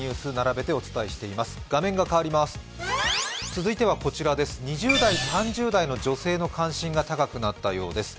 続いては２０代、３０代の女性の関心が高くなったようです。